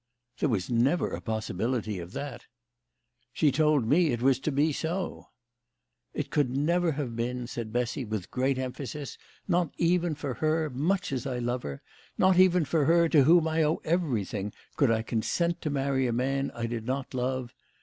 " There was never a possibility of that." " She told me it was to be so." " It never could have been," said Bessy with great emphasis. " Not even for her, much as I love her not even for her to whom I owe everything could I consent to marry a man I did not love.